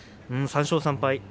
３勝３敗。